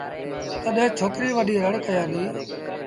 تڏهيݩ ڇوڪريٚ وڏيٚ رڙ ڪيآݩدي